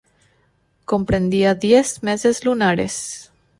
Comprendía diez meses lunares.